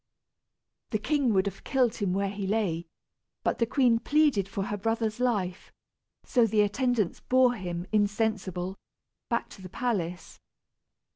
The king would have killed him where he lay, but the queen pleaded for her brother's life, so the attendants bore him, insensible, back to the palace.